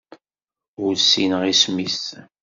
Ur ssineɣ isem-is.